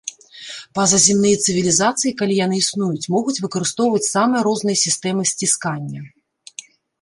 Пазаземныя цывілізацыі, калі яны існуюць, могуць выкарыстоўваць самыя розныя сістэмы сціскання.